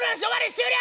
終了！